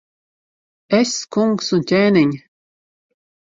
Es, kungs un ķēniņ!